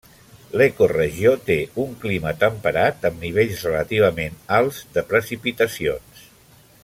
L'ecoregió té un clima temperat, amb nivells relativament alts de precipitacions.